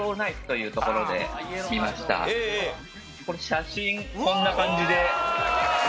写真こんな感じで。